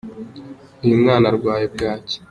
uyu mwana arwaye bwacyi